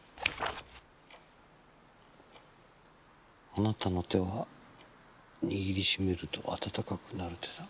「あなたの手は握りしめるとあたたかくなる手だ」